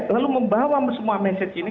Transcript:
lalu membawa semua message ini